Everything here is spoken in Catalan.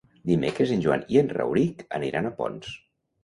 Dimecres en Joan i en Rauric aniran a Ponts.